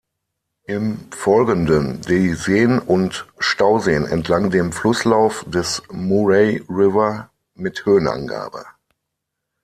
Im Folgenden die Seen und Stauseen entlang dem Flusslauf des Murray River mit Höhenangabe.